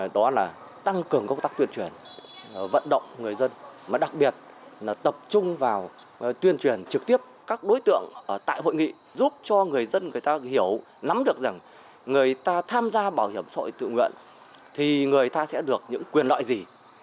đó là tăng cường công tác tuyên truyền vận động người dân mà đặc biệt là tập trung vào tuyên truyền trực tiếp các đối tượng tại hội nghị giúp cho người dân người ta hiểu nắm được rằng người ta tham gia bảo hiểm xã hội tự nguyện thì người ta sẽ được những quyền loại gì